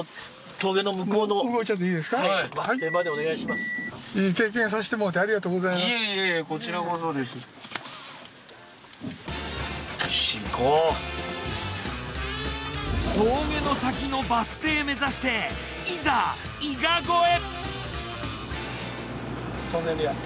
峠の先のバス停目指していざ伊賀越え。